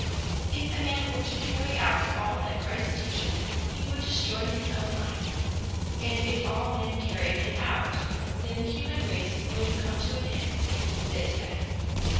"If a man were to carry out all that Christ teaches, he would destroy his own life; and if all men carried it out, then the human race would come to an end," they say.